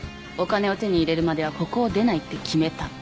お金を手に入れるまではここを出ないって決めた。